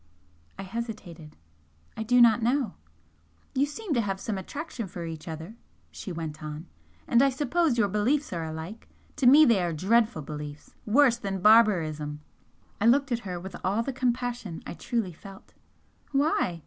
I hesitated. "I do not know." "You seem to have some attraction for each other," she went on "And I suppose your beliefs are alike. To me they are dreadful beliefs! worse than barbarism!" I looked at her with all the compassion I truly felt. "Why?